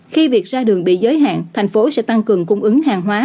khi việc ra đường bị giới hạn thành phố sẽ tăng cường cung ứng hàng hóa